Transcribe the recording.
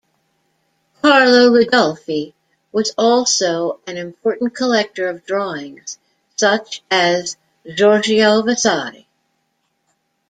Carlo Ridolfi was also an important collector of drawings, such as Giorgio Vasari.